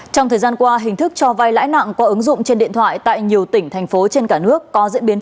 trong thời gian qua hình thức cho vai lãi nặng qua ứng dụng trên điện thoại tại nhiều tỉnh thành phố trên cả nước